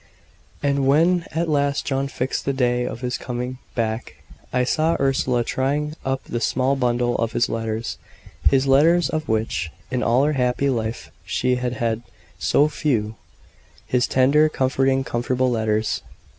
And when at last John fixed the day of his coming back, I saw Ursula tying up the small bundle of his letters his letters, of which in all her happy life she had had so few his tender, comforting, comfortable letters.